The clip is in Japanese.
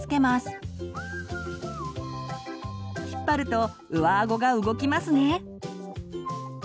引っ張ると上あごが動きますね。